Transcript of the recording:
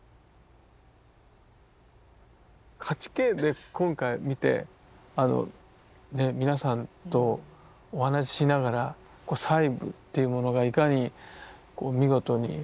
８Ｋで今回見て皆さんとお話ししながら細部というものがいかに見事に作り上げられているかっていう。